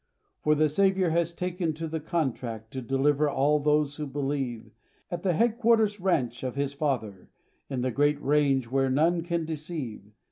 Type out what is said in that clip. For the Savior has taken the contract To deliver all those who believe, At the headquarters ranch of his Father, In the great range where none can deceive.